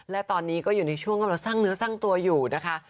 และตอนนี้ก็อยู่ในช่วงกำลังสร้างเนื้อสร้างตัวอยู่นะคะ